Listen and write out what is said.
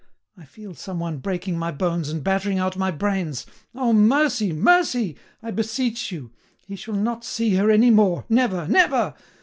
I feel some one breaking my bones and battering out my brains. Oh! Mercy! Mercy! I beseech you; he shall not see her any more—never, never!